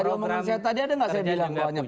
tadi ada gak saya bilang bahwa hanya pdp yang punya